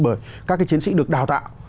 bởi các cái chiến sĩ được đào tạo